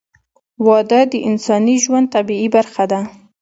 • واده د انساني ژوند طبیعي برخه ده.